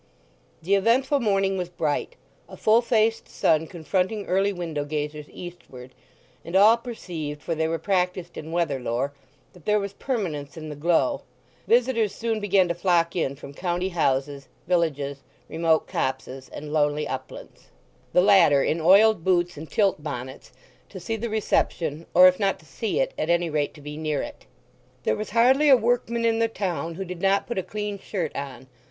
The eventful morning was bright, a full faced sun confronting early window gazers eastward, and all perceived (for they were practised in weather lore) that there was permanence in the glow. Visitors soon began to flock in from county houses, villages, remote copses, and lonely uplands, the latter in oiled boots and tilt bonnets, to see the reception, or if not to see it, at any rate to be near it. There was hardly a workman in the town who did not put a clean shirt on.